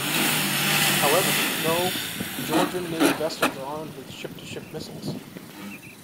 However, no Georgian navy vessels are armed with ship-to-ship missiles.